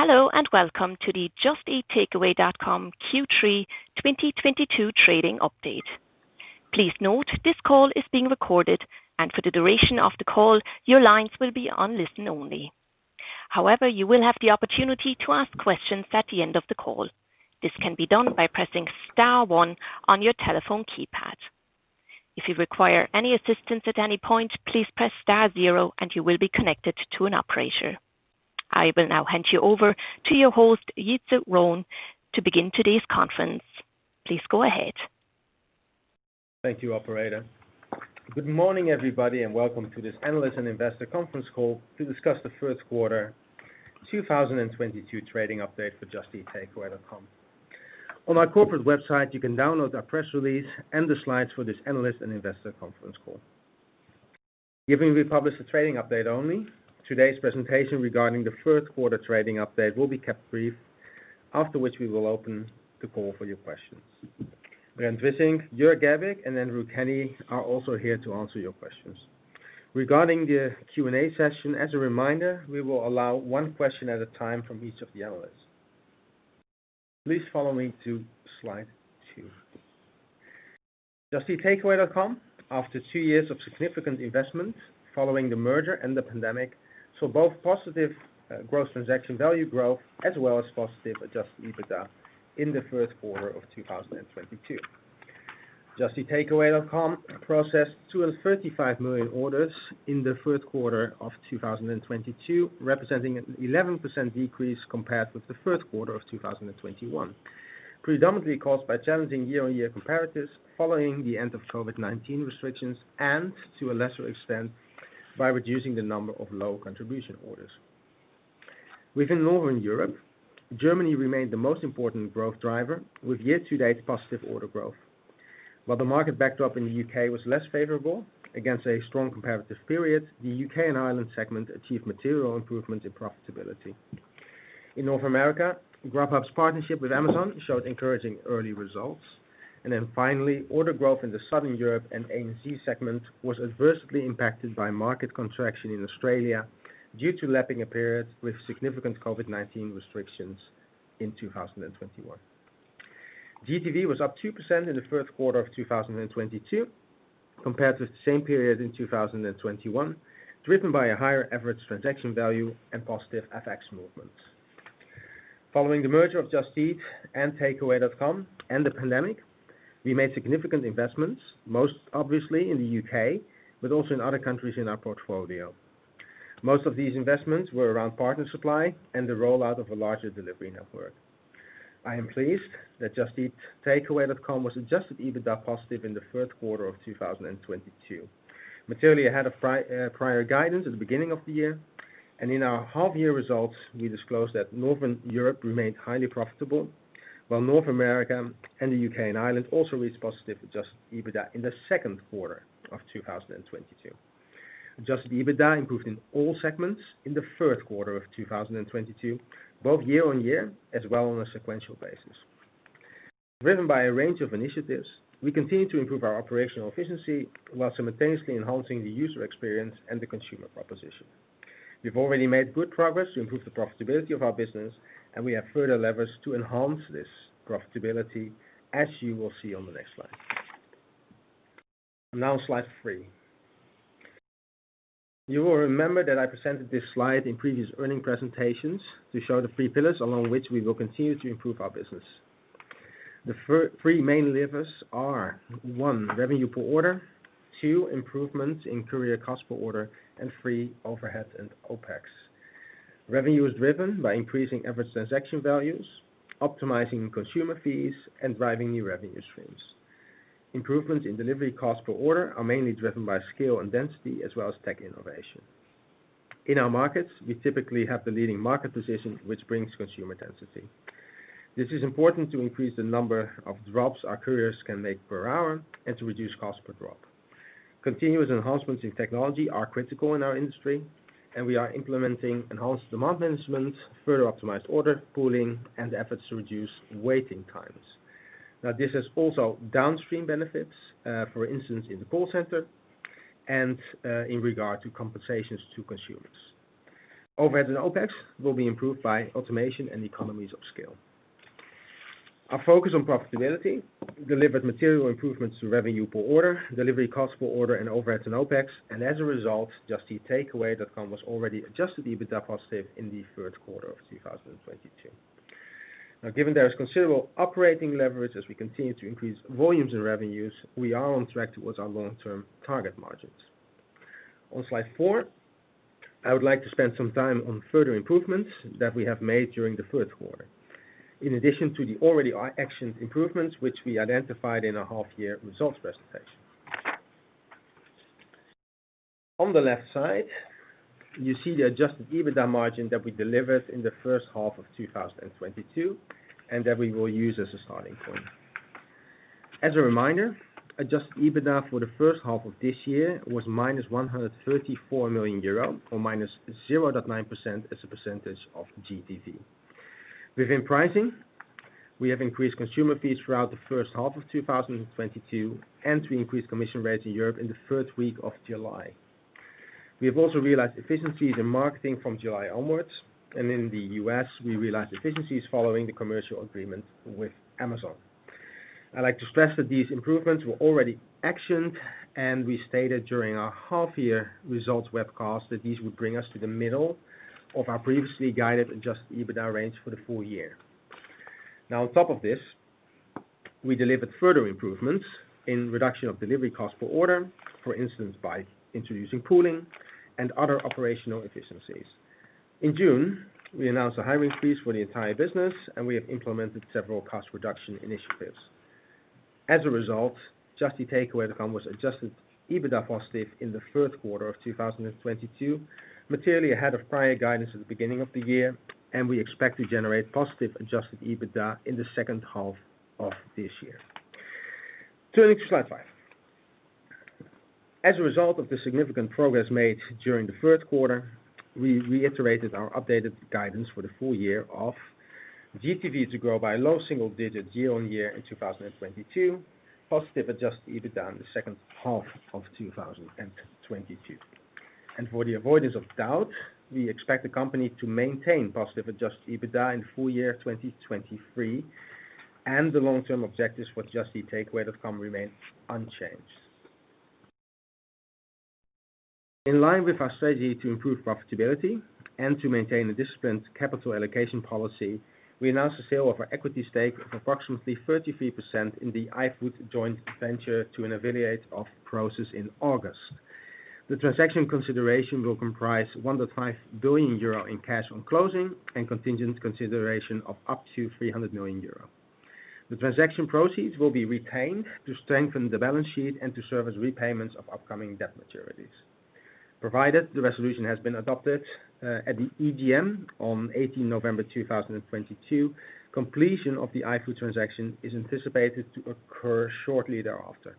Hello, and welcome to the Just Eat Takeaway.com Q3 2022 trading update. Please note this call is being recorded, and for the duration of the call, your lines will be on listen only. However, you will have the opportunity to ask questions at the end of the call. This can be done by pressing star one on your telephone keypad. If you require any assistance at any point, please press star zero and you will be connected to an Operator. I will now hand you over to your host, Jitse Groen, to begin today's conference. Please go ahead. Thank you, Operator. Good morning, everybody, and welcome to this analyst and investor conference call to discuss the first quarter 2022 trading update for Just Eat Takeaway.com. On our corporate website, you can download our press release and the slides for this analyst and investor conference call. Given we publish the trading update only, today's presentation regarding the first quarter trading update will be kept brief. After which we will open the call for your questions. Brent Wissink, Jörg Gerbig, and then Andrew Kenny are also here to answer your questions. Regarding the Q&A session, as a reminder, we will allow one question at a time from each of the analysts. Please follow me to slide two. Just Eat Takeaway.com, after two years of significant investment following the merger and the pandemic, saw both positive gross transaction value growth, as well as positive adjusted EBITDA in the first quarter of 2022. Just Eat Takeaway.com processed 235 million orders in the first quarter of 2022, representing an 11% decrease compared with the first quarter of 2021. Predominantly caused by challenging year-on-year comparatives following the end of COVID-19 restrictions, and to a lesser extent, by reducing the number of low contribution orders. Within Northern Europe, Germany remained the most important growth driver, with year-to-date positive order growth. While the market backdrop in the UK was less favorable against a strong comparative period, the UK and Ireland segment achieved material improvement in profitability. In North America, Grubhub's partnership with Amazon showed encouraging early results. Finally, order growth in the Southern Europe and ANZ segment was adversely impacted by market contraction in Australia due to lapping a period with significant COVID-19 restrictions in 2021. GTV was up 2% in the first quarter of 2022 compared with the same period in 2021, driven by a higher average transaction value and positive FX movements. Following the merger of Just Eat and Takeaway.com, and the pandemic, we made significant investments, most obviously in the UK, but also in other countries in our portfolio. Most of these investments were around partner supply and the rollout of a larger delivery network. I am pleased that Just Eat Takeaway.com was adjusted EBITDA positive in the third quarter of 2022. Materially ahead of prior guidance at the beginning of the year, and in our half year results, we disclosed that Northern Europe remained highly profitable, while North America and the U.K. and Ireland also reached positive Adjusted EBITDA in the second quarter of 2022. Adjusted EBITDA improved in all segments in the third quarter of 2022, both year-on-year as well on a sequential basis. Driven by a range of initiatives, we continue to improve our operational efficiency while simultaneously enhancing the user experience and the consumer proposition. We've already made good progress to improve the profitability of our business, and we have further levers to enhance this profitability, as you will see on the next slide. Now slide three. You will remember that I presented this slide in previous earning presentations to show the three pillars along which we will continue to improve our business. The three main levers are, one, revenue per order, two, improvements in courier cost per order, and three, overhead and OPEX. Revenue is driven by increasing average transaction values, optimizing consumer fees, and driving new revenue streams. Improvements in delivery cost per order are mainly driven by scale and density, as well as tech innovation. In our markets, we typically have the leading market position, which brings consumer density. This is important to increase the number of drops our couriers can make per hour and to reduce cost per drop. Continuous enhancements in technology are critical in our industry, and we are implementing enhanced demand management, further optimized order pooling, and efforts to reduce waiting times. Now, this has also downstream benefits, for instance, in the call center and, in regard to compensations to consumers. Overhead and OPEX will be improved by automation and economies of scale. Our focus on profitability delivered material improvements to revenue per order, delivery cost per order, and overhead to OPEX. As a result, Just Eat Takeaway.com was already adjusted EBITDA positive in the third quarter of 2022. Now, given there is considerable operating leverage as we continue to increase volumes in revenues, we are on track towards our long-term target margins. On slide four, I would like to spend some time on further improvements that we have made during the third quarter. In addition to the already actioned improvements which we identified in our half year results presentation. On the left side, you see the adjusted EBITDA margin that we delivered in the first half of 2022, and that we will use as a starting point. As a reminder, adjusted EBITDA for the first half of this year was minus 134 million euro or minus 0.9% as a percentage of GTV. Within pricing, we have increased consumer fees throughout the first half of 2022 and we increased commission rates in Europe in the first week of July. We have also realized efficiencies in marketing from July onwards, and in the U.S., we realized efficiencies following the commercial agreement with Amazon. I'd like to stress that these improvements were already actioned, and we stated during our half year results webcast that these would bring us to the middle of our previously guided adjusted EBITDA range for the full year. Now on top of this, we delivered further improvements in reduction of delivery cost per order, for instance by introducing pooling and other operational efficiencies. In June, we announced a hiring freeze for the entire business, and we have implemented several cost reduction initiatives. As a result, Just Eat Takeaway.com was adjusted EBITDA positive in the third quarter of 2022, materially ahead of prior guidance at the beginning of the year, and we expect to generate positive adjusted EBITDA in the second half of this year. Turning to slide five. As a result of the significant progress made during the third quarter, we reiterated our updated guidance for the full year of GTV to grow by low single digits year-on-year in 2022, positive adjusted EBITDA in the second half of 2022. For the avoidance of doubt, we expect the company to maintain positive adjusted EBITDA in full year 2023, and the long-term objectives for Just Eat Takeaway.com remain unchanged. In line with our strategy to improve profitability and to maintain a disciplined capital allocation policy, we announced the sale of our equity stake of approximately 33% in the iFood joint venture to an affiliate of Prosus in August. The transaction consideration will comprise 1.5 billion euro in cash on closing and contingent consideration of up to 300 million euro. The transaction proceeds will be retained to strengthen the balance sheet and to serve as repayments of upcoming debt maturities. Provided the resolution has been adopted at the EGM on 18th November 2022, completion of the iFood transaction is anticipated to occur shortly thereafter.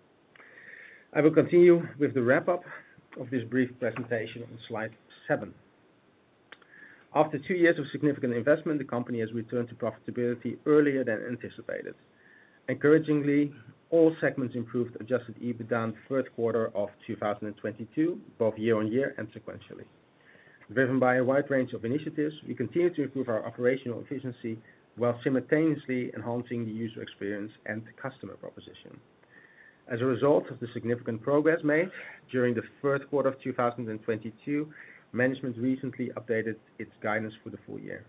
I will continue with the wrap up of this brief presentation on slide seven. After two years of significant investment, the company has returned to profitability earlier than anticipated. Encouragingly, all segments improved adjusted EBITDA in the third quarter of 2022, both year-on-year and sequentially. Driven by a wide range of initiatives, we continue to improve our operational efficiency while simultaneously enhancing the user experience and customer proposition. As a result of the significant progress made during the third quarter of 2022, management recently updated its guidance for the full year.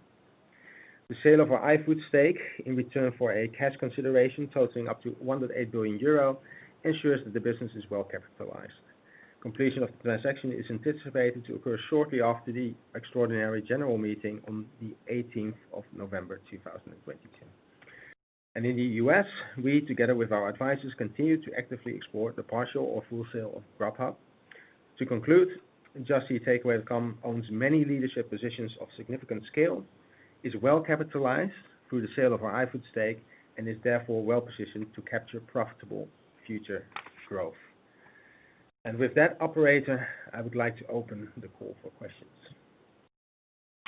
The sale of our iFood stake in return for a cash consideration totaling up to 1.8 billion euro ensures that the business is well capitalized. Completion of the transaction is anticipated to occur shortly after the extraordinary general meeting on the eighteenth of November 2022. In the U.S., we together with our advisors, continue to actively explore the partial or full sale of Grubhub. To conclude, Just Eat Takeaway.com owns many leadership positions of significant scale, is well capitalized through the sale of our iFood stake, and is therefore well-positioned to capture profitable future growth. With that Operator, I would like to open the call for questions.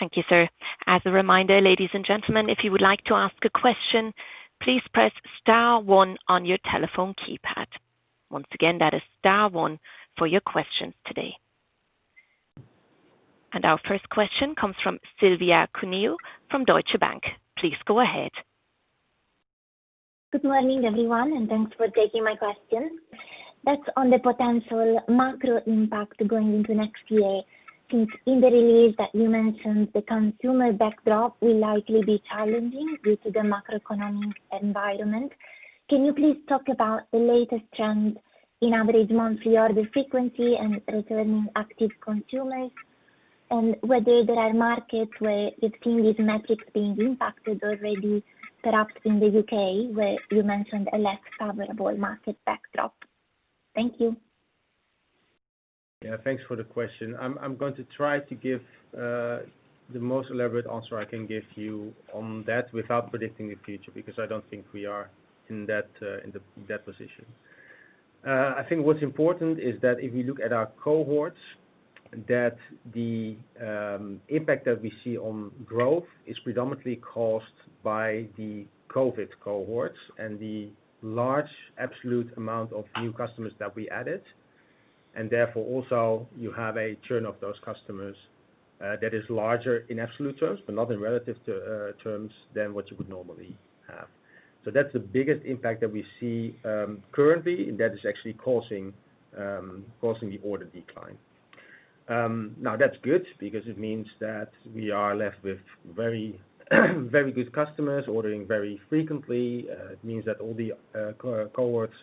Thank you, sir. Our first question comes from Silvia Cuneo from Deutsche Bank. Please go ahead. Good morning, everyone, and thanks for taking my question. That's on the potential macro impact going into next year. Since in the release that you mentioned, the consumer backdrop will likely be challenging due to the macroeconomic environment. Can you please talk about the latest trends in average monthly order frequency and returning active consumers? And whether there are markets where you've seen these metrics being impacted already, perhaps in the UK, where you mentioned a less favorable market backdrop. Thank you. Yeah, thanks for the question. I'm going to try to give the most elaborate answer I can give you on that without predicting the future, because I don't think we are in that position. I think what's important is that if you look at our cohorts, the impact that we see on growth is predominantly caused by the COVID-19 cohorts and the large absolute amount of new customers that we added. Therefore also you have a churn of those customers that is larger in absolute terms, but not in relative terms than what you would normally have. That's the biggest impact that we see currently, and that is actually causing the order decline. Now that's good because it means that we are left with very, very good customers ordering very frequently. It means that all the cohorts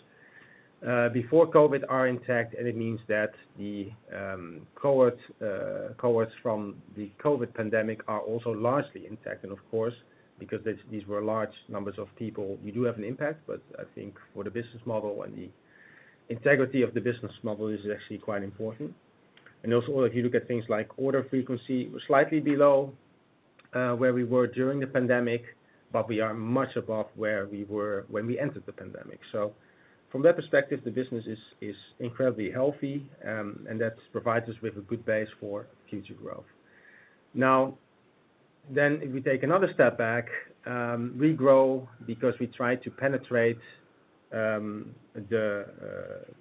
before COVID-19 are intact, and it means that the cohorts from the COVID-19 pandemic are also largely intact. Of course, because these were large numbers of people, you do have an impact, but I think for the business model and the integrity of the business model, this is actually quite important. Also, if you look at things like order frequency, we're slightly below where we were during the pandemic, but we are much above where we were when we entered the pandemic. From that perspective, the business is incredibly healthy, and that provides us with a good base for future growth. Now, if we take another step back, we grow because we try to penetrate the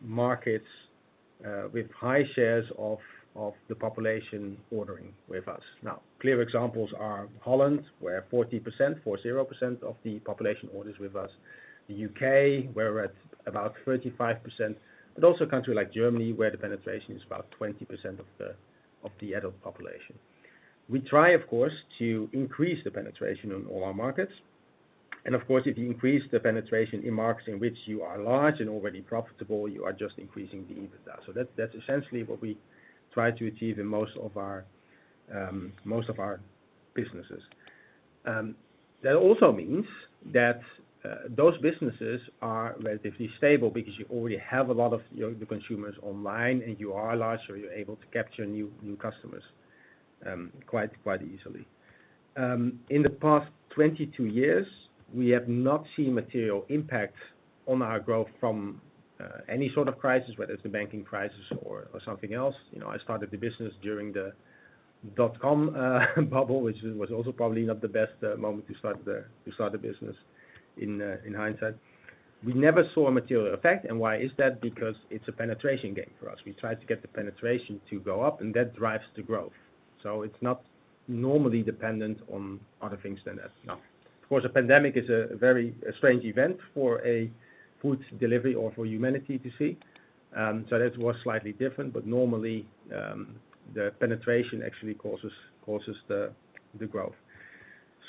markets with high shares of the population ordering with us. Clear examples are Holland, where 40%, 40% of the population orders with us, the UK, where we're at about 35%, but also a country like Germany, where the penetration is about 20% of the adult population. We try, of course, to increase the penetration in all our markets, and of course, if you increase the penetration in markets in which you are large and already profitable, you are just increasing the EBITDA. That's essentially what we try to achieve in most of our businesses. That also means that those businesses are relatively stable because you already have a lot of the consumers online, and you are large, so you're able to capture new customers quite easily. In the past 22 years, we have not seen material impact on our growth from any sort of crisis, whether it's the banking crisis or something else. You know, I started the business during the dot-com bubble, which was also probably not the best moment to start a business in hindsight. We never saw a material effect. Why is that? Because it's a penetration game for us. We try to get the penetration to go up, and that drives the growth. It's not normally dependent on other things than that. Now, of course, a pandemic is a very strange event for a food delivery or for humanity to see. That was slightly different. Normally, the penetration actually causes the growth.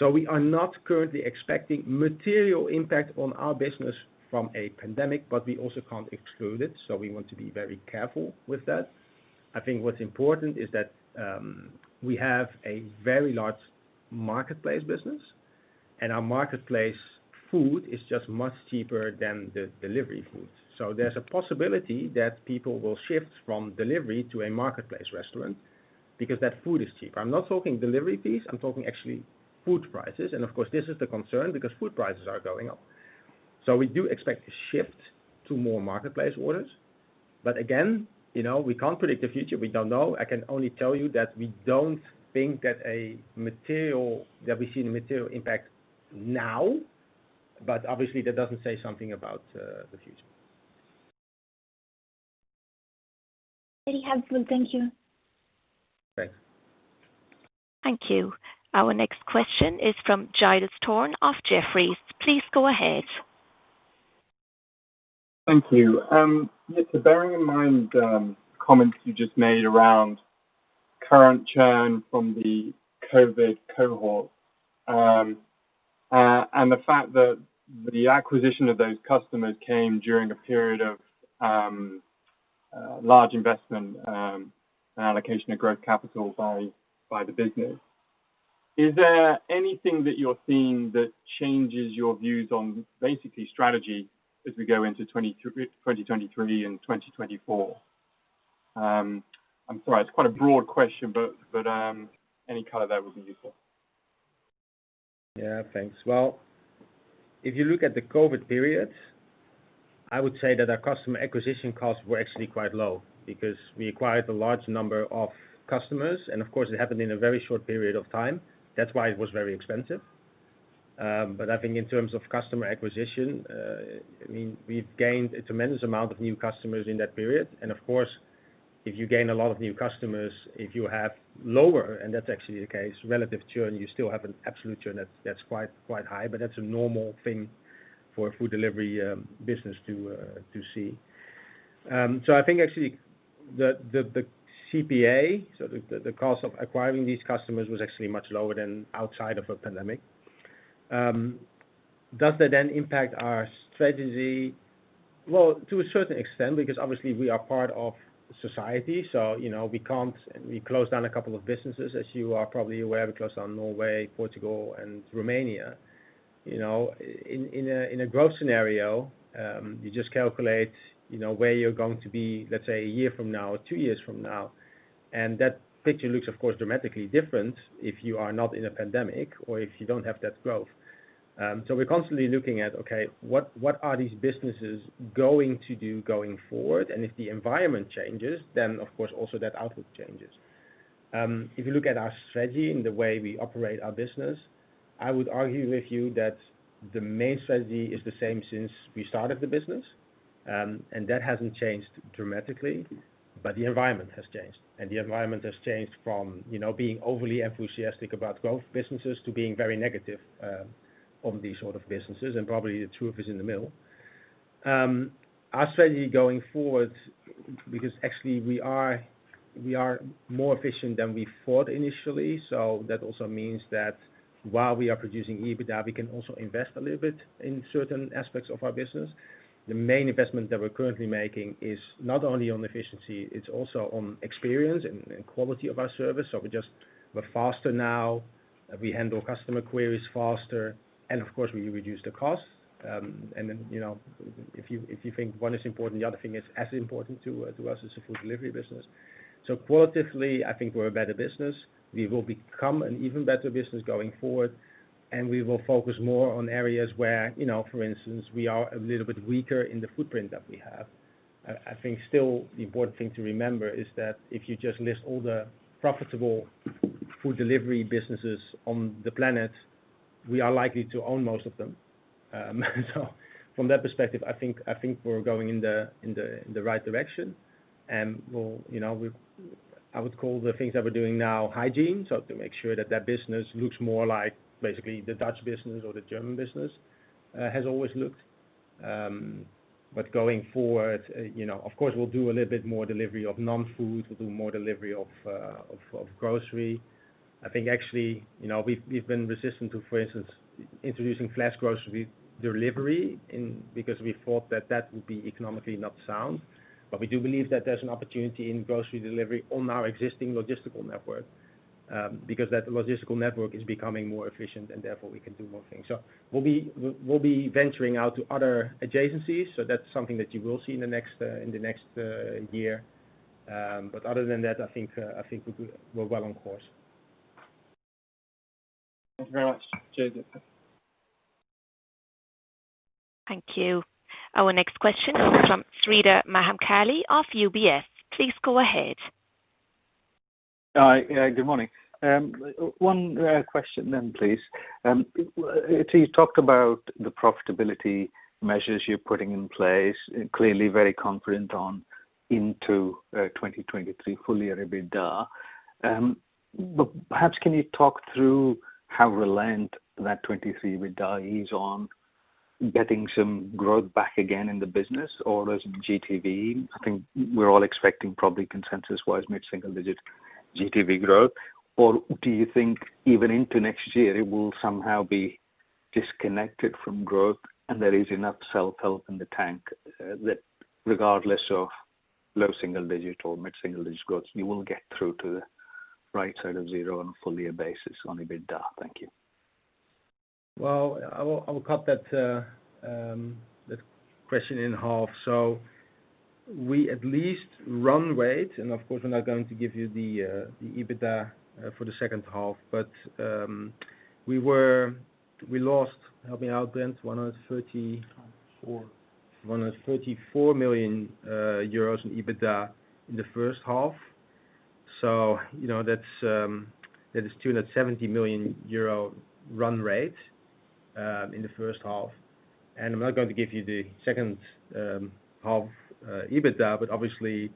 We are not currently expecting material impact on our business from a pandemic, but we also can't exclude it, so we want to be very careful with that. I think what's important is that we have a very large marketplace business, and our marketplace food is just much cheaper than the delivery foods. There's a possibility that people will shift from delivery to a marketplace restaurant because that food is cheaper. I'm not talking delivery fees, I'm talking actually food prices. And of course, this is the concern because food prices are going up. We do expect a shift to more marketplace orders. But again, you know, we can't predict the future. We don't know. I can only tell you that we don't think that we see the material impact now, but obviously, that doesn't say something about the future. Very helpful. Thank you. Okay. Thank you. Our next question is from Giles Thorne of Jefferies. Please go ahead. Thank you. Just bearing in mind comments you just made around current churn from the COVID cohort, and the fact that the acquisition of those customers came during a period of large investment and allocation of growth capital by the business, is there anything that you're seeing that changes your views on basically strategy as we go into 2023 and 2024? I'm sorry, it's quite a broad question, but any color there would be useful. Yeah. Thanks. Well, if you look at the COVID period, I would say that our customer acquisition costs were actually quite low because we acquired a large number of customers, and of course, it happened in a very short period of time. That's why it was very expensive. I think in terms of customer acquisition, I mean, we've gained a tremendous amount of new customers in that period. Of course, if you gain a lot of new customers, if you have lower, and that's actually the case, relative churn, you still have an absolute churn that's quite high. That's a normal thing for a food delivery business to see. I think actually the CPA, so the cost of acquiring these customers was actually much lower than outside of a pandemic. Does that then impact our strategy? Well, to a certain extent, because obviously we are part of society, so you know, we can't. We closed down a couple of businesses, as you are probably aware. We closed down Norway, Portugal and Romania. You know, in a growth scenario, you just calculate, you know, where you're going to be, let's say, a year from now or two years from now. That picture looks, of course, dramatically different if you are not in a pandemic or if you don't have that growth. So we're constantly looking at, okay, what are these businesses going to do going forward? If the environment changes, then of course also that outlook changes. If you look at our strategy and the way we operate our business, I would argue with you that the main strategy is the same since we started the business. That hasn't changed dramatically, but the environment has changed from, you know, being overly enthusiastic about growth businesses to being very negative on these sort of businesses, and probably the truth is in the middle. Our strategy going forward, because actually we are more efficient than we thought initially. That also means that while we are producing EBITDA, we can also invest a little bit in certain aspects of our business. The main investment that we're currently making is not only on efficiency, it's also on experience and quality of our service. We're just faster now. We handle customer queries faster, and of course, we reduce the costs. You know, if you think one is important, the other thing is as important to us as a food delivery business. Qualitatively, I think we're a better business. We will become an even better business going forward, and we will focus more on areas where, you know, for instance, we are a little bit weaker in the footprint that we have. I think still the important thing to remember is that if you just list all the profitable food delivery businesses on the planet, we are likely to own most of them. From that perspective, I think we're going in the right direction. You know, I would call the things that we're doing now hygiene. To make sure that business looks more like basically the Dutch business or the German business has always looked. Going forward, you know, of course, we'll do a little bit more delivery of non-food. We'll do more delivery of grocery. I think actually, you know, we've been resistant to, for instance, introducing flash grocery delivery because we thought that would be economically not sound. We do believe that there's an opportunity in grocery delivery on our existing logistical network because that logistical network is becoming more efficient and therefore we can do more things. We'll be venturing out to other adjacencies, so that's something that you will see in the next year. Other than that, I think we're well on course. Thank you very much. Cheers. Thank you. Our next question is from Sreedhar Mahamkali of UBS. Please go ahead. Hi. Yeah, good morning. One question then please. So you talked about the profitability measures you're putting in place, clearly very confident on into 2023 full year EBITDA. But perhaps can you talk through how reliant that 2023 EBITDA is on getting some growth back again in the business, or does GTV I think we're all expecting probably consensus wise mid-single-digit GTV growth. Or do you think even into next year it will somehow be disconnected from growth and there is enough self-help in the tank, that regardless of low single digit or mid-single-digit growth, you will get through to the right side of zero on a full year basis on EBITDA. Thank you. Well, I will cut that question in half. We at least run rate, and of course we're not going to give you the EBITDA for the second half. We lost, help me out, Brent, 130 Four. 134 million euros in EBITDA in the first half. That's that is 270 million euro run rate in the first half. I'm not going to give you the second half EBITDA, but obviously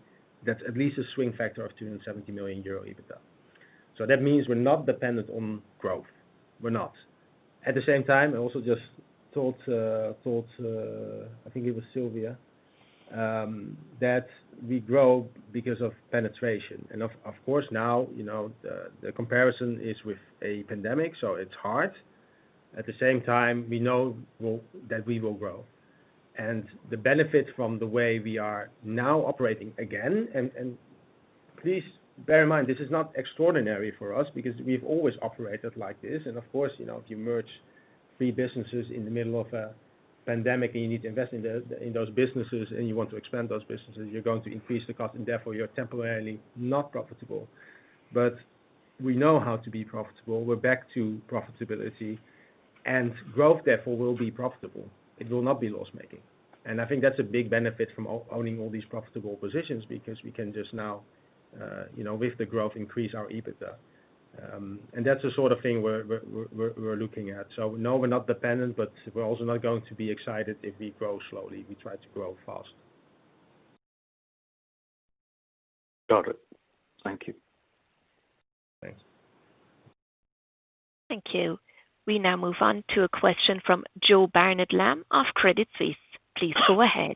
that's at least a swing factor of 270 million euro EBITDA. That means we're not dependent on growth. We're not. At the same time, I also just thought I think it was Silvia that we grow because of penetration. Of course, now the comparison is with a pandemic, so it's hard. At the same time, we know we will grow. The benefit from the way we are now operating again, and please bear in mind, this is not extraordinary for us because we've always operated like this. Of course, you know, if you merge three businesses in the middle of a pandemic and you need to invest in those businesses and you want to expand those businesses, you're going to increase the cost and therefore you're temporarily not profitable. We know how to be profitable. We're back to profitability. Growth therefore will be profitable. It will not be loss making. I think that's a big benefit from owning all these profitable positions because we can just now, you know, with the growth, increase our EBITDA. That's the sort of thing we're looking at. No, we're not dependent, but we're also not going to be excited if we grow slowly. We try to grow faster. Got it. Thank you. Thanks. Thank you. We now move on to a question from Joseph Barnet-Lamb of Credit Suisse. Please go ahead.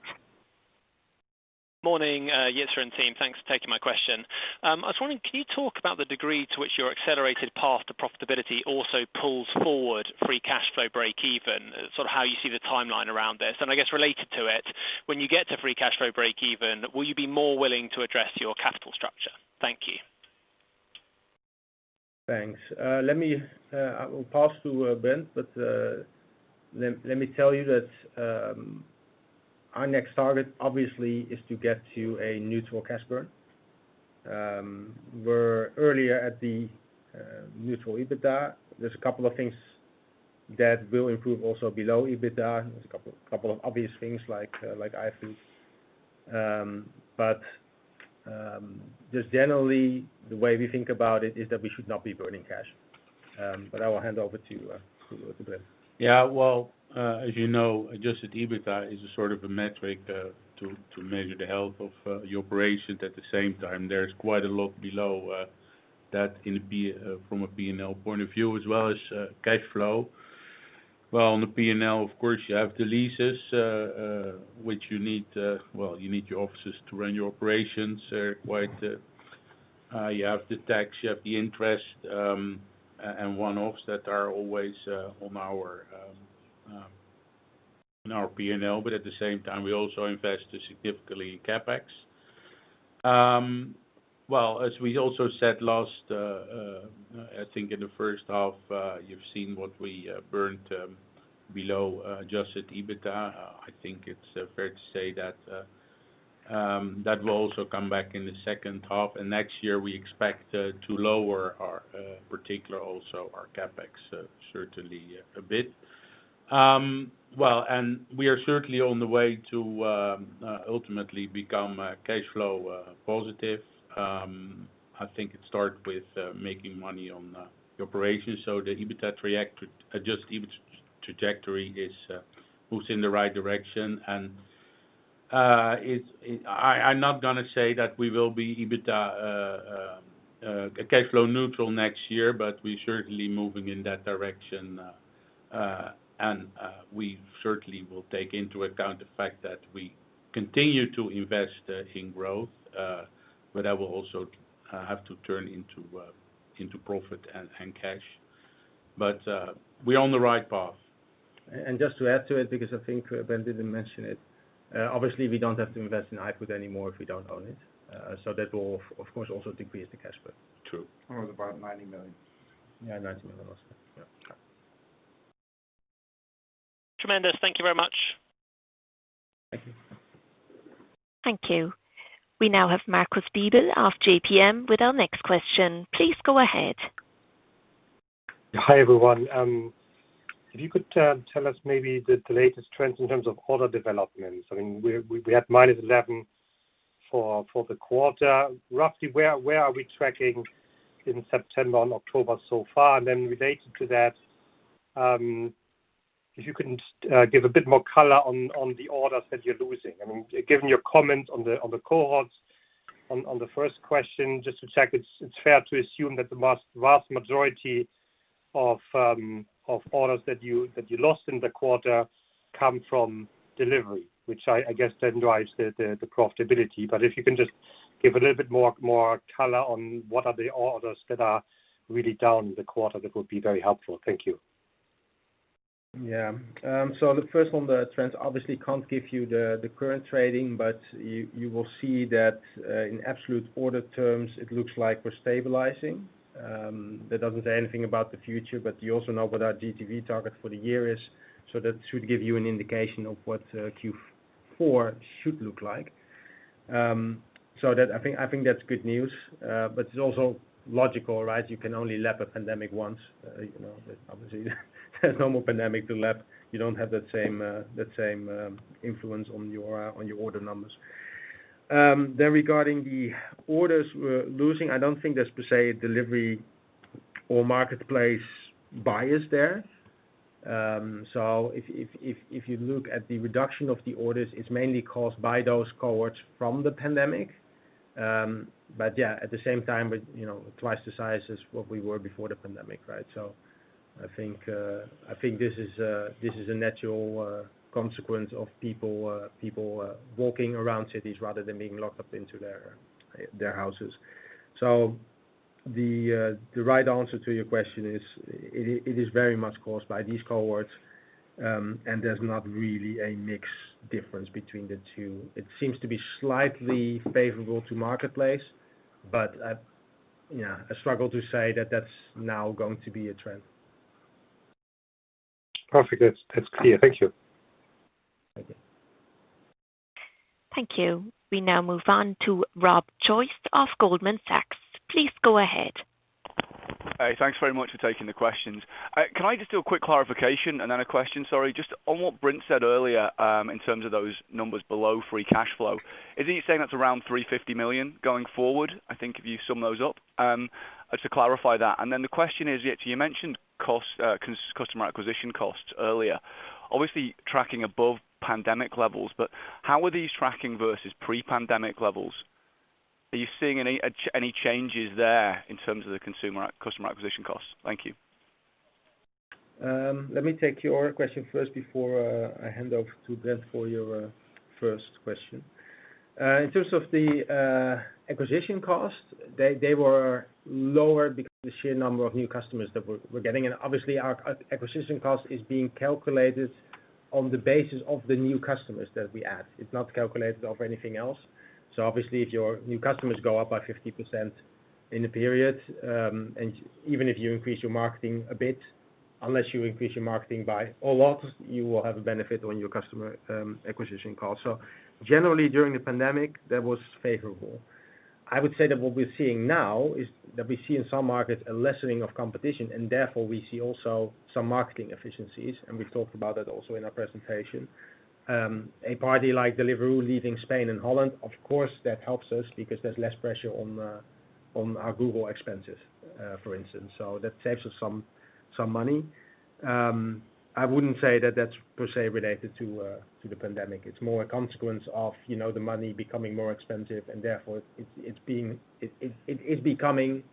Morning, Jitse and team. Thanks for taking my question. I was wondering, can you talk about the degree to which your accelerated path to profitability also pulls forward free cash flow breakeven, sort of how you see the timeline around this? I guess related to it, when you get to free cash flow breakeven, will you be more willing to address your capital structure? Thank you. Thanks. Let me pass to Brent, but let me tell you that our next target obviously is to get to a neutral cash burn. We're earlier at the neutral EBITDA. There's a couple of things that will improve also below EBITDA. There's a couple of obvious things like iFood. Just generally the way we think about it is that we should not be burning cash. I will hand over to Brent. Yeah. Well, as you know, adjusted EBITDA is a sort of a metric to measure the health of the operations. At the same time, there is quite a lot below that from a P&L point of view as well as cash flow. Well, on the P&L, of course, you have the leases which you need your offices to run your operations quite. You have the tax, you have the interest, and one-offs that are always on our in our P&L. At the same time, we also invest significantly in CapEx. Well, as we also said last, I think in the first half, you've seen what we burned below adjusted EBITDA. I think it's fair to say that that will also come back in the second half. Next year we expect to lower our particular also our CapEx certainly a bit. We are certainly on the way to ultimately become cash flow positive. I think it starts with making money on the operation. The adjusted EBITDA trajectory is moving in the right direction. It's. I'm not gonna say that we will be EBITDA cash flow neutral next year, but we're certainly moving in that direction. We certainly will take into account the fact that we continue to invest in growth. That will also have to turn into profit and cash. We're on the right path. Just to add to it, because I think Brent didn't mention it. Obviously we don't have to invest in iFood anymore if we don't own it. That will of course also decrease the cash burn. True. It was about 90 million. Yeah, 90 million roughly. Yeah. Okay. Tremendous. Thank you very much. Thank you. Thank you. We now have Marcus Diebel of JPMorgan with our next question. Please go ahead. Hi, everyone. If you could tell us maybe the latest trends in terms of order developments. I mean, we had -11% for the quarter. Roughly, where are we tracking in September and October so far? Related to that, if you can give a bit more color on the orders that you're losing. I mean, given your comment on the cohorts on the first question, just to check it's fair to assume that the vast majority of orders that you lost in the quarter come from delivery, which I guess then drives the profitability. If you can just give a little bit more color on what are the orders that are really down the quarter, that would be very helpful. Thank you. Yeah. Look, first on the trends, obviously can't give you the current trading, but you will see that, in absolute order terms, it looks like we're stabilizing. That doesn't say anything about the future, but you also know what our GTV target for the year is. That should give you an indication of what Q4 should look like. I think that's good news. It's also logical, right? You can only lap a pandemic once. You know, obviously there's no more pandemic to lap. You don't have that same influence on your order numbers. Regarding the orders we're losing, I don't think there's per se delivery or marketplace bias there. If you look at the reduction of the orders, it's mainly caused by those cohorts from the pandemic. Yeah, at the same time, we're, you know, twice the size as what we were before the pandemic, right? I think this is a natural consequence of people walking around cities rather than being locked up into their houses. The right answer to your question is. It is very much caused by these cohorts, and there's not really a mix difference between the two. It seems to be slightly favorable to marketplace, but yeah, I struggle to say that that's now going to be a trend. Perfect. That's clear. Thank you. Thank you. Thank you. We now move on to Rob Joyce of Goldman Sachs. Please go ahead. Hey, thanks very much for taking the questions. Can I just do a quick clarification and then a question, sorry? Just on what Brent said earlier, in terms of those numbers below free cash flow, is he saying that's around 350 million going forward? I think if you sum those up. Just to clarify that. Then the question is, Jitse, you mentioned customer acquisition costs earlier. Obviously tracking above pandemic levels, but how are these tracking versus pre-pandemic levels? Are you seeing any changes there in terms of the customer acquisition costs? Thank you. Let me take your question first before I hand off to Brent for your first question. In terms of the acquisition costs, they were lower because the sheer number of new customers that we're getting, and obviously our acquisition cost is being calculated on the basis of the new customers that we add. It's not calculated over anything else. Obviously, if your new customers go up by 50% in a period, and even if you increase your marketing a bit, unless you increase your marketing by a lot, you will have a benefit on your customer acquisition cost. Generally during the pandemic, that was favorable. I would say that what we're seeing now is that we see in some markets a lessening of competition, and therefore we see also some marketing efficiencies, and we've talked about that also in our presentation. A party like Deliveroo leaving Spain and Holland, of course, that helps us because there's less pressure on our Google expenses, for instance, so that saves us some money. I wouldn't say that that's per se related to the pandemic. It's more a consequence of, you know, the money becoming more expensive, and therefore it is becoming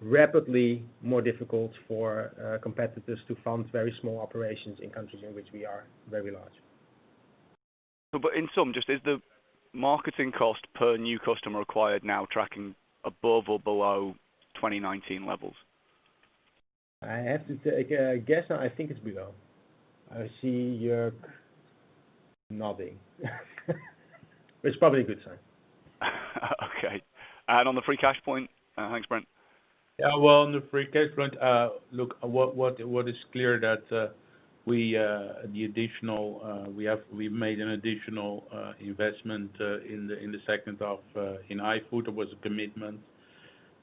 rapidly more difficult for competitors to fund very small operations in countries in which we are very large. In sum, Just, is the marketing cost per new customer acquired now tracking above or below 2019 levels? I have to take a guess. I think it's below. I see Jörg nodding, which is probably a good sign. Okay. On the free cash point, thanks, Brent. Yeah. Well, on the free cash point, look, what is clear is that we made an additional investment in the second half in iFood. It was a commitment.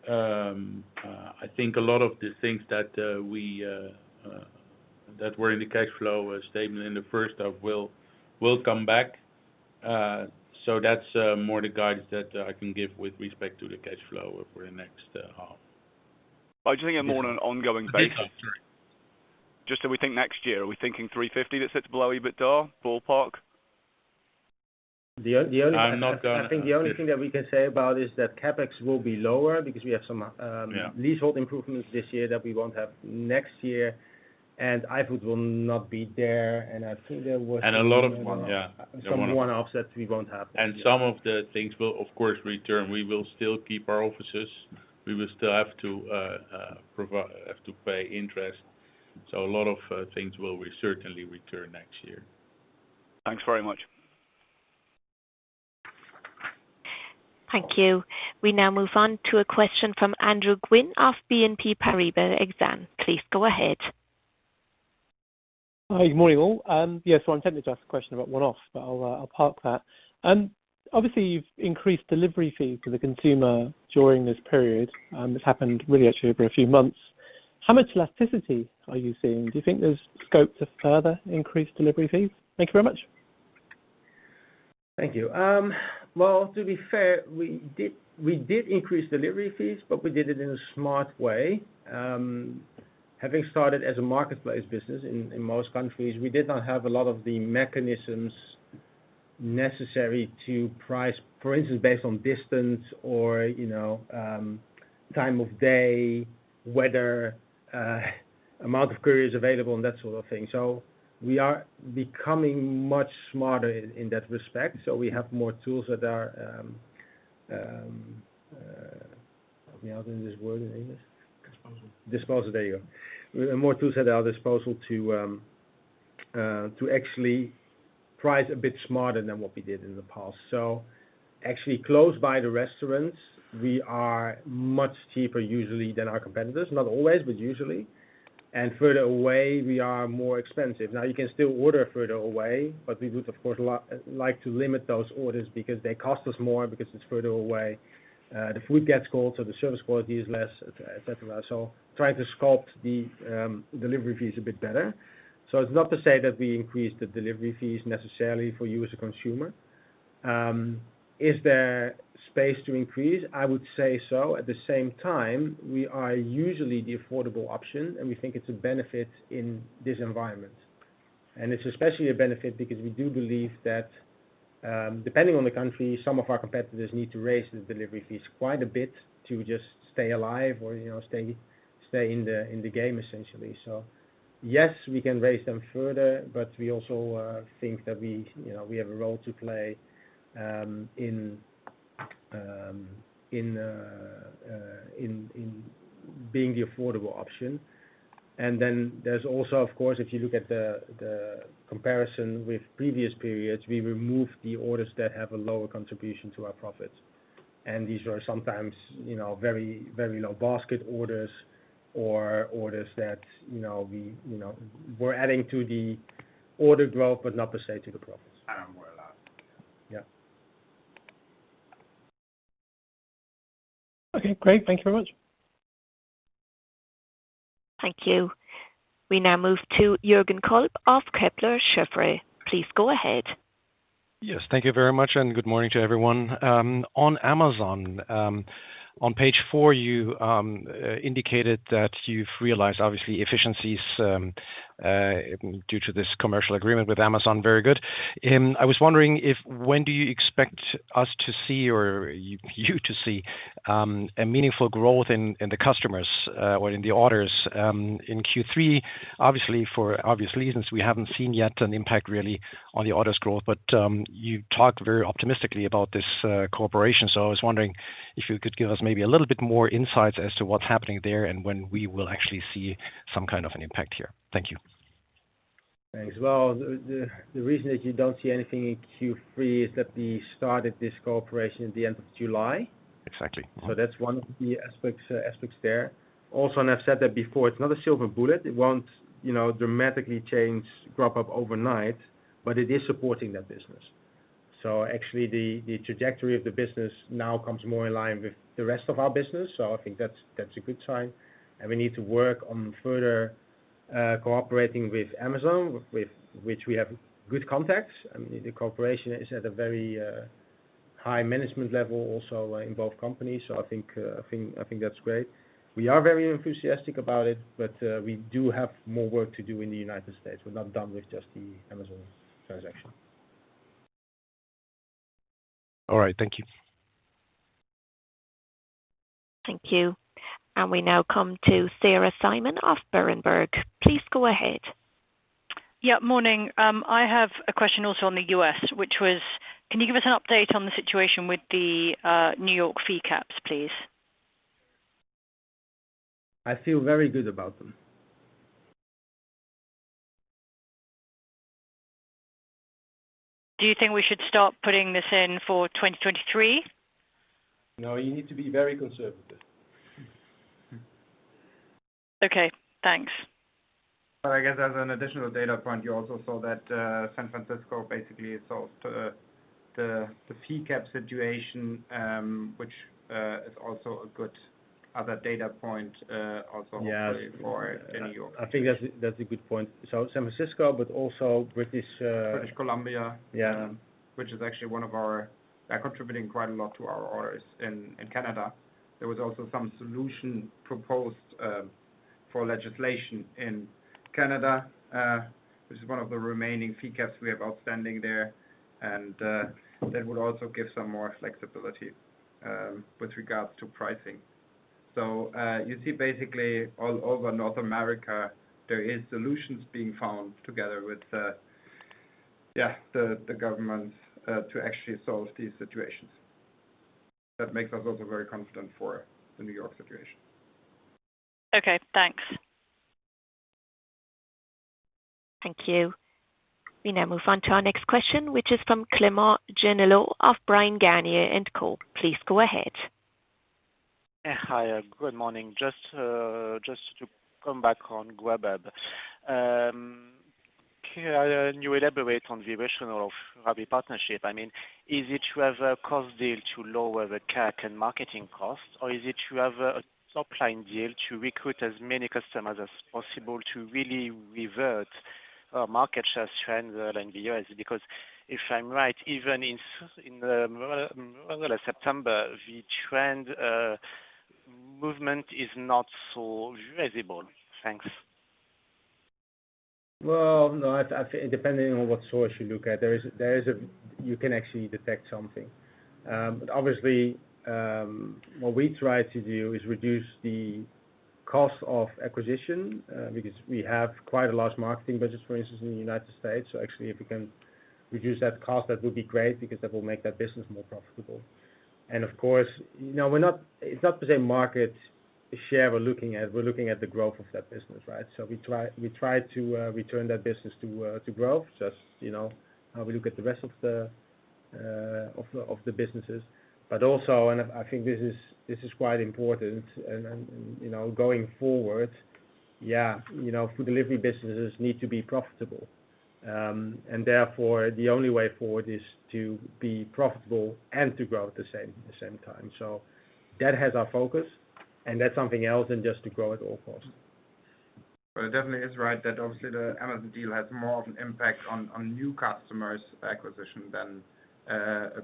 I think a lot of the things that were in the cash flow statement in the first half will come back. That's more the guidance that I can give with respect to the cash flow for the next half. I just think I'm more on an ongoing basis. Just so we think next year, are we thinking 350 that sits below EBITDA, ballpark? The only I'm not gonna. I think the only thing that we can say about is that CapEx will be lower because we have some. Yeah Leasehold improvements this year that we won't have next year, and iFood will not be there. I think there was some one-off. A lot of some of them. Some one-offs that we won't have next year. Some of the things will of course return. We will still keep our offices. We will still have to pay interest. A lot of things will certainly return next year. Thanks very much. Thank you. We now move on to a question from Andrew Gwynn of BNP Paribas Exane. Please go ahead. Hi. Good morning, all. Yes, I'm tempted to ask a question about one-off, but I'll park that. Obviously you've increased delivery fees for the consumer during this period, that's happened really actually over a few months. How much elasticity are you seeing? Do you think there's scope to further increase delivery fees? Thank you very much. Thank you. Well, to be fair, we did increase delivery fees, but we did it in a smart way. Having started as a marketplace business in most countries, we did not have a lot of the mechanisms necessary to price, for instance, based on distance or, you know, time of day, weather, amount of couriers available and that sort of thing. We are becoming much smarter in that respect. We have more tools at our Disposal. Disposal. There you go. We have more tools at our disposal to actually price a bit smarter than what we did in the past. Actually close by the restaurants, we are much cheaper usually than our competitors. Not always, but usually. Further away, we are more expensive. Now, you can still order further away, but we would of course like to limit those orders because they cost us more because it's further away. The food gets cold, so the service quality is less, et cetera. Try to sculpt the delivery fees a bit better. It's not to say that we increase the delivery fees necessarily for you as a consumer. Is there space to increase? I would say so. At the same time, we are usually the affordable option, and we think it's a benefit in this environment. It's especially a benefit because we do believe that, depending on the country, some of our competitors need to raise the delivery fees quite a bit to just stay alive or, you know, stay in the game essentially. Yes, we can raise them further, but we also think that we, you know, we have a role to play in being the affordable option. There's also, of course, if you look at the comparison with previous periods, we removed the orders that have a lower contribution to our profits. These are sometimes, you know, very low basket orders or orders that, you know, we, you know, we're adding to the order growth but not the same to the profits. More or less. Yeah. Okay, great. Thank you very much. Thank you. We now move to Jürgen Kolb of Kepler Cheuvreux. Please go ahead. Yes, thank you very much, and good morning to everyone. On Amazon, on page four, you indicated that you've realized obviously efficiencies due to this commercial agreement with Amazon. Very good. I was wondering if when do you expect us to see or you to see a meaningful growth in the customers or in the orders in Q3? Obviously, for obvious reasons, we haven't seen yet an impact really on the orders growth. You talked very optimistically about this cooperation. I was wondering if you could give us maybe a little bit more insights as to what's happening there and when we will actually see some kind of an impact here. Thank you. Thanks. Well, the reason that you don't see anything in Q3 is that we started this cooperation at the end of July. Exactly. Mm-hmm. That's one of the aspects there. I've said that before, it's not a silver bullet. It won't, you know, dramatically change, Grubhub overnight, but it is supporting that business. Actually the trajectory of the business now comes more in line with the rest of our business. I think that's a good sign. We need to work on further cooperating with Amazon, with which we have good contacts. I mean, the cooperation is at a very high management level also in both companies. I think that's great. We are very enthusiastic about it, but we do have more work to do in the United States. We're not done with just the Amazon transaction. All right. Thank you. Thank you. We now come to Sarah Simon of Berenberg. Please go ahead. Yeah. Morning. I have a question also on the US, which was, can you give us an update on the situation with the New York fee caps, please? I feel very good about them. Do you think we should stop putting this in for 2023? No, you need to be very conservative. Okay, thanks. I guess as an additional data point, you also saw that, San Francisco basically solved the fee cap situation, which is also a good other data point, also hopefully. Yes. for the New York. I think that's a good point. San Francisco, but also British. British Columbia. Yeah. Which is actually one of our. They're contributing quite a lot to our orders in Canada. There was also some solution proposed for legislation in Canada, which is one of the remaining fee caps we have outstanding there. That would also give some more flexibility with regards to pricing. You see basically all over North America there is solutions being found together with the government to actually solve these situations. That makes us also very confident for the New York situation. Okay, thanks. Thank you. We now move on to our next question, which is from Clément Genelot of Bryan, Garnier & Co. Please go ahead. Yeah. Hi, good morning. Just to come back on Grubhub. Can you elaborate on the rationale of Rappi partnership? I mean, is it to have a cost deal to lower the CAC and marketing costs, or is it to have a top line deal to recruit as many customers as possible to really reverse market share trends in the U.S.? Because if I'm right, even in the middle of September, the trend movement is not so visible. Thanks. Well, no, I think depending on what source you look at, there is a. You can actually detect something. Obviously, what we try to do is reduce the cost of acquisition, because we have quite a large marketing budget, for instance, in the United States. Actually if we can reduce that cost, that would be great because that will make that business more profitable. Of course, now, it's not the same market share we're looking at. We're looking at the growth of that business, right? We try to return that business to growth, just, you know, how we look at the rest of the businesses. I think this is quite important and you know, going forward, you know, food delivery businesses need to be profitable. Therefore the only way forward is to be profitable and to grow at the same time. That has our focus, and that's something else than just to grow at all costs. Well, it definitely is right that obviously the Amazon deal has more of an impact on new customer acquisition than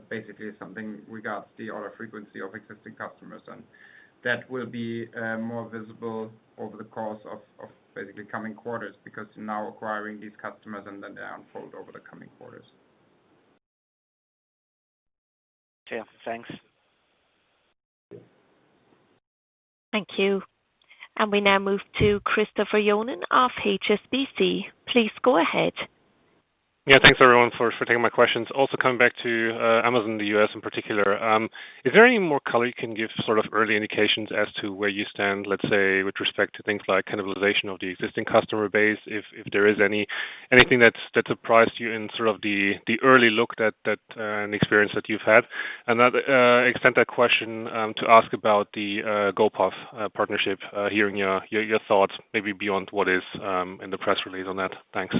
basically something regarding the order frequency of existing customers. That will be more visible over the course of basically coming quarters because now acquiring these customers and then they unfold over the coming quarters. Yeah. Thanks. Thank you. We now move to Chris Johnen of HSBC. Please go ahead. Yeah, thanks everyone for taking my questions. Also coming back to Amazon, the U.S. in particular, is there any more color you can give sort of early indications as to where you stand, let's say with respect to things like cannibalization of the existing customer base? If there is anything that's surprised you in sort of the early look and experience that you've had? Extend that question to ask about the Gopuff partnership, hearing your thoughts maybe beyond what is in the press release on that. Thanks.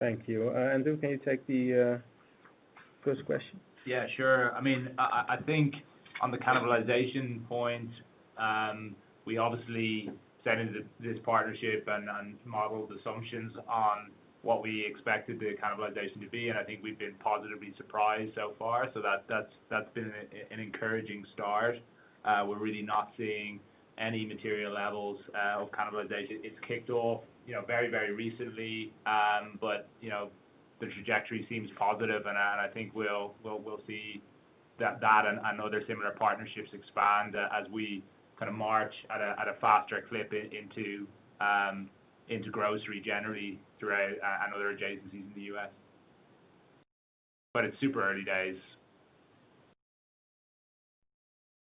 Thank you. Andrew, can you take the first question? Yeah, sure. I mean, I think on the cannibalization point, we obviously stepped into this partnership and modeled assumptions on what we expected the cannibalization to be, and I think we've been positively surprised so far. That's been an encouraging start. We're really not seeing any material levels of cannibalization. It's kicked off, you know, very recently. But, you know, the trajectory seems positive and I think we'll see that and other similar partnerships expand as we kind of move at a faster clip into grocery generally throughout and other adjacencies in the US. But it's super early days.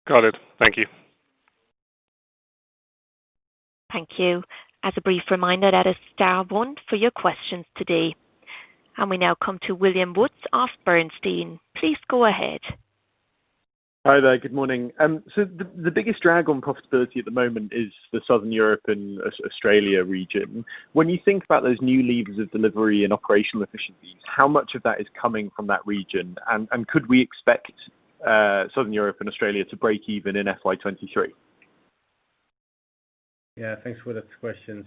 Got it. Thank you. Thank you. We now come to William Woods of Bernstein. Please go ahead. Hi there. Good morning. So the biggest drag on profitability at the moment is the Southern Europe and Australia region. When you think about those new levers of delivery and operational efficiencies, how much of that is coming from that region? Could we expect Southern Europe and Australia to break even in FY 2023? Yeah, thanks for that question.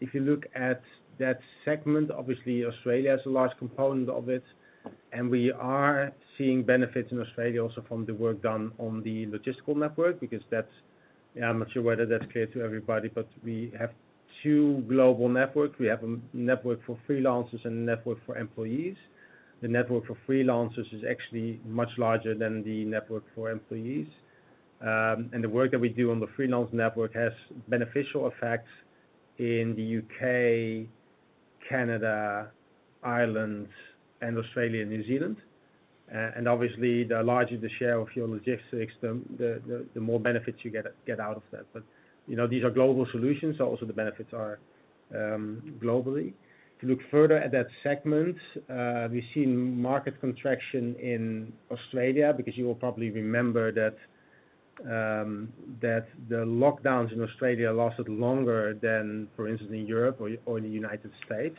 If you look at that segment, obviously Australia is a large component of it, and we are seeing benefits in Australia also from the work done on the logistical network. I'm not sure whether that's clear to everybody, but we have two global networks. We have a network for freelancers and a network for employees. The network for freelancers is actually much larger than the network for employees. And the work that we do on the freelance network has beneficial effects in the UK, Canada, Ireland, and Australia, New Zealand. And obviously the larger the share of your logistics, the more benefits you get out of that. You know, these are global solutions, so also the benefits are globally. If you look further at that segment, we've seen market contraction in Australia because you will probably remember that the lockdowns in Australia lasted longer than, for instance, in Europe or in the United States.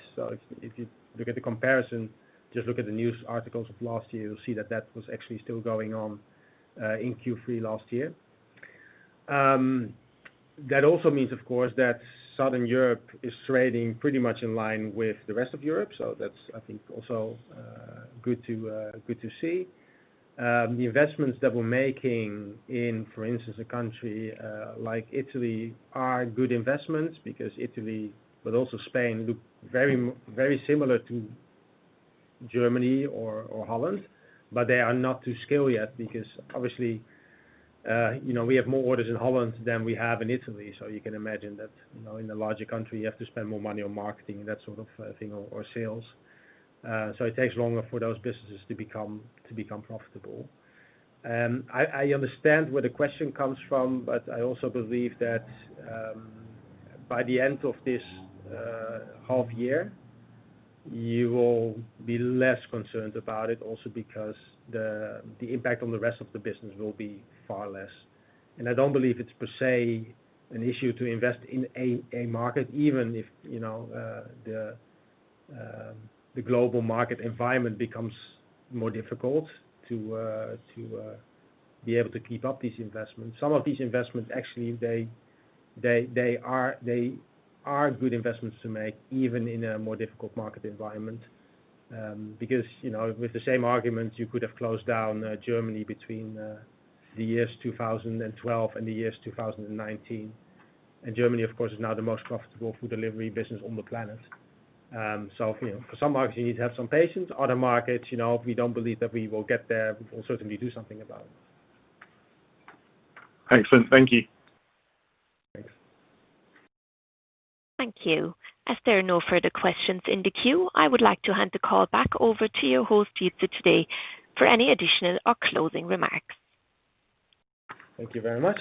If you look at the comparison, just look at the news articles of last year, you'll see that that was actually still going on in Q3 last year. That also means, of course, that Southern Europe is trading pretty much in line with the rest of Europe. That's, I think, also good to see. The investments that we're making in, for instance, a country like Italy are good investments because Italy, but also Spain, look very similar to Germany or Holland. They are not to scale yet because obviously, you know, we have more orders in Holland than we have in Italy. You can imagine that, you know, in a larger country, you have to spend more money on marketing and that sort of thing or sales. It takes longer for those businesses to become profitable. I understand where the question comes from, but I also believe that by the end of this half year, you will be less concerned about it also because the impact on the rest of the business will be far less. I don't believe it's per se an issue to invest in a market, even if you know the global market environment becomes more difficult to be able to keep up these investments. Some of these investments, actually, they are good investments to make even in a more difficult market environment. Because, you know, with the same argument, you could have closed down Germany between the years 2012 and 2019. Germany, of course, is now the most profitable food delivery business on the planet. You know, for some markets, you need to have some patience. Other markets, you know, if we don't believe that we will get there, we will certainly do something about it. Excellent. Thank you. Thanks. Thank you. As there are no further questions in the queue, I would like to hand the call back over to your host, Jitse, for today for any additional or closing remarks. Thank you very much.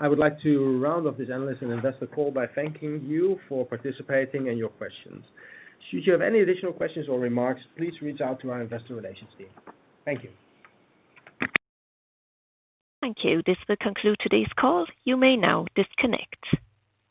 I would like to round off this analyst and investor call by thanking you for participating and your questions. Should you have any additional questions or remarks, please reach out to our investor relations team. Thank you. Thank you. This will conclude today's call. You may now disconnect.